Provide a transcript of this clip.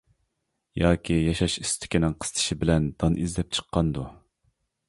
ياكى ياشاش ئىستىكىنىڭ قىستىشى بىلەن دان ئىزدەپ چىققاندۇ.